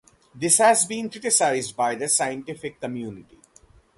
This has been criticized by the scientific community.